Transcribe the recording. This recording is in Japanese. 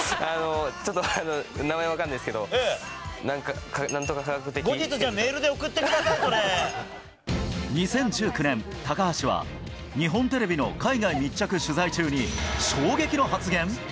ちょっと名前分かんないですけど、なんか、後日、じゃあメールで送って２０１９年、高橋は日本テレビの海外密着取材中に、衝撃の発言。